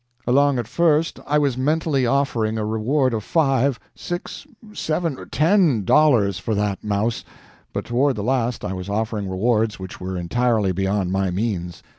Along at first I was mentally offering a reward of five six seven ten dollars for that mouse; but toward the last I was offering rewards which were entirely beyond my means.